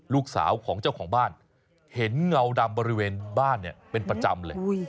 ลูกสาวของเจ้าของบ้านเห็นเงาดำบริเวณบ้านเนี่ยเป็นประจำเลย